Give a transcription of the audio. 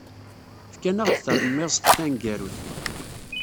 Fkan-aɣ-d talemmiẓt taneggarut.